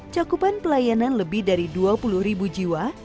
cokupan pelayanan lebih dari dua puluh jiwa